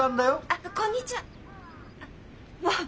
あっこんにちはあっ